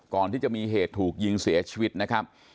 ก่อนที่จะมีเหตุถูกยิงเสียชีวิตนะครับ